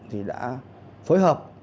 thì đã phối hợp